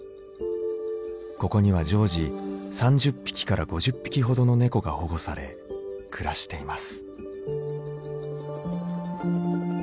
ここには常時３０匹から５０匹ほどの猫が保護され暮らしています。